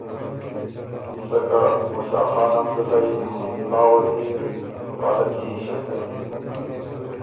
سکه موسیٰ خان عبدلایٛ، حمزوالله وزیر، پالکی ایݭنګئ،